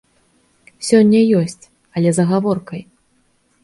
Сёння ёсць, але з агаворкай.